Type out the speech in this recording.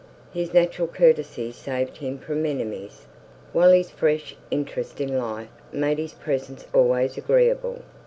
His natural courtesy saved him from enemies, while his fresh interest in life made his presence always agreeable.